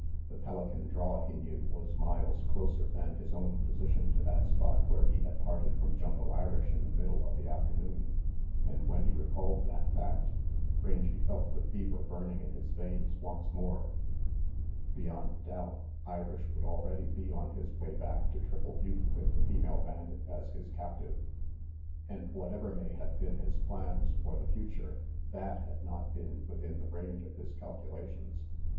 The Pelican draw, he knew, was miles closer than his own position to that spot where he had parted from Jumbo Irish in the middle of the afternoon, and when he recalled that fact, Rangy felt the fever burning in his veins once more. Beyond doubt, Irish would already be on his way back to Triple Butte with the female bandit as his captive. RANGY PETE 103 And whatever may have been his plans for the future, that had not been within the range of his calculations.